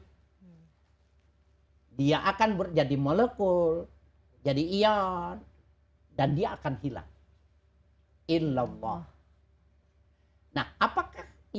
hai dia akan berjadi molekul jadi ion dan dia akan hilang ilallah